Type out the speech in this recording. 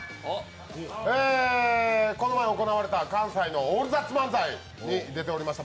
この前行われた関西の「オールザッツ漫才」に出ておりました